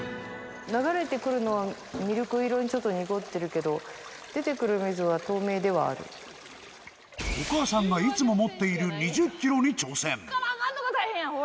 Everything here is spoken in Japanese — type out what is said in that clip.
流れてくるのはミルク色にちょっと濁ってるけど、お母さんがいつも持っている２０キロに挑戦。